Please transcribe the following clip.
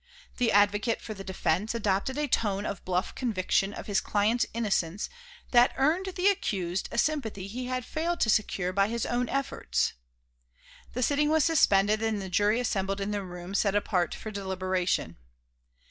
The advocate for the defence adopted a tone of bluff conviction of his client's innocence that earned the accused a sympathy he had failed to secure by his own efforts. The sitting was suspended and the jury assembled in the room set apart for deliberation.